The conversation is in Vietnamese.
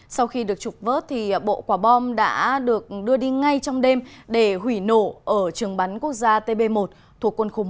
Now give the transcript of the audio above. sau khi được trục vớt bộ quả bom đã được đưa đi ngay trong đêm để hủy nổ ở trường bắn quốc gia tb một thuộc quân khu một